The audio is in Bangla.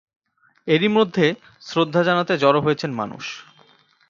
এরই মধ্যে শ্রদ্ধা জানাতে জড়ো হয়েছেন মানুষ।